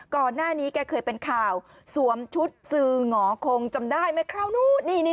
ก่อนหน้านี้แกเคยเป็นข่าวสวมชุดสื่อหงอคงจำได้ไหมคราวนู้น